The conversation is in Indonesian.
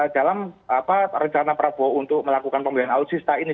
dalam apa rencana prabowo untuk melakukan pembelian alutsista ini